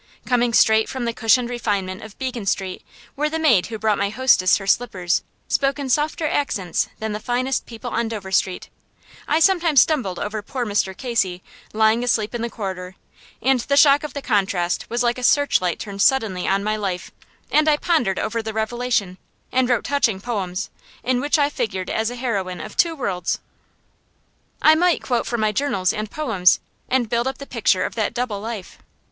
Coming straight from the cushioned refinement of Beacon Street, where the maid who brought my hostess her slippers spoke in softer accents than the finest people on Dover Street, I sometimes stumbled over poor Mr. Casey lying asleep in the corridor; and the shock of the contrast was like a searchlight turned suddenly on my life, and I pondered over the revelation, and wrote touching poems, in which I figured as a heroine of two worlds. I might quote from my journals and poems, and build up the picture of that double life.